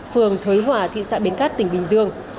phường thới hòa thị xã bến cát tỉnh bình dương